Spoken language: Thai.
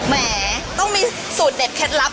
แหมต้องมีสูตรเด็ดเคล็ดลับ